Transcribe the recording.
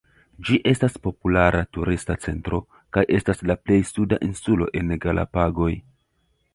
Ĝi estas populara turista centro, kaj estas la plej suda insulo en Galapagoj.